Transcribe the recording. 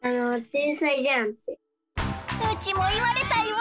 うちもいわれたいわ！